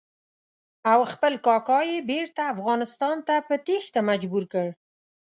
او خپل کاکا یې بېرته افغانستان ته په تېښته مجبور کړ.